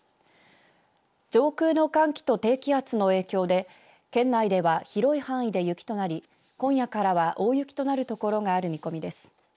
上空の寒気と低気圧の影響で県内では広い範囲で雪となり今夜からは大雪となる所がある見込みです。